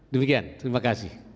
demikian terima kasih